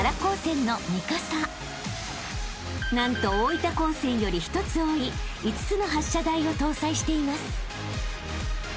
［何と大分高専より一つ多い５つの発射台を搭載しています］